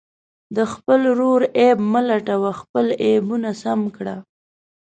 د خپل ورور عیب مه لټوئ، خپل عیبونه سم کړه.